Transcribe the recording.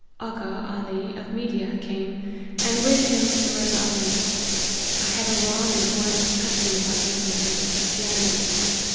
" Aga Ali, of Media, came, and with him and Mirza Ali, I had a long and warm discussion about the essentials of Christianity.